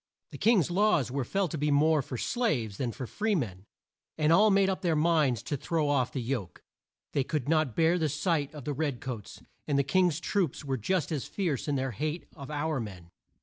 The King's laws were felt to be more for slaves than for free men, and all made up their minds to throw off the yoke. They could not bear the sight of the red coats; and the King's troops were just as fierce in their hate of our men.